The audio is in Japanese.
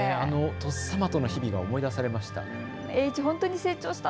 とっさまとの日々が思い出されました。